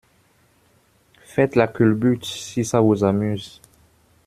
Faites la culbute, si ça vous amuse.